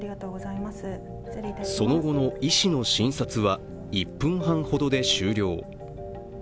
その後の医師の診察は１分半ほどで終了。